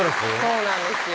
そうなんですよ